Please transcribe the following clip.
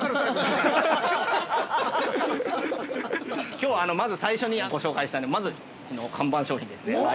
◆きょう、まず最初にご紹介したいのは、まず、うちの看板商品ですね。